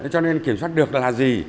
cho nên kiểm soát được là gì